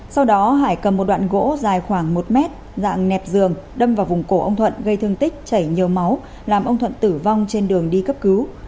sau đó hải cầm một đoạn gỗ dài khoảng một mét dạng nẹp giường đâm vào vùng cổ ông thuận gây thương tích chảy nhiều máu làm ông thuận tử vong trên đường đi cấp cứu